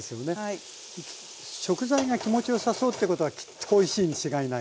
食材が気持ちよさそうということはきっとおいしいに違いない。